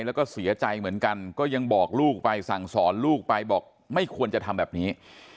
แล้วก็เสียใจเหมือนกันก็ยังบอกลูกไปสั่งสอนลูกไปบอกไม่ควรจะทำแบบนี้